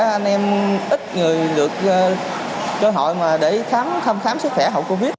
nên anh em ít người được cơ hội mà để khám thăm khám sức khỏe hậu covid